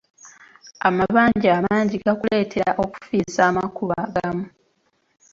Amabanja amangi gakuleetera okufiisa amakubo agamu.